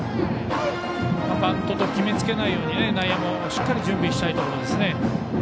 バントと決め付けないように内野もしっかり準備したいところです。